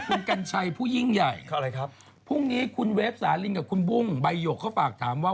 คุณกัญชัยผู้ยิ่งใหญ่ครับพรุ่งนี้คุณเวฟสาลินกับคุณบุ้งใบหยกเขาฝากถามว่า